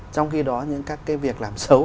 trong khi đó những các cái việc làm xấu